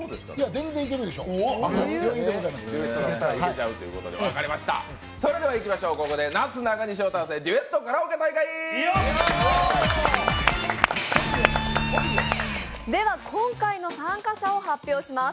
全然いけるでしょう、余裕でそれではいきましょう、ここでなすなかにしを倒せデュエットカラオケ大会！では今回の参加者を発表します。